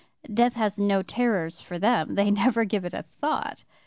Death has no terrors for them; they never give it a thought.